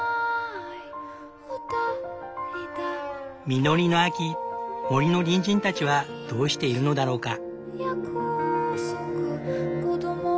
実りの秋森の隣人たちはどうしているのだろうか？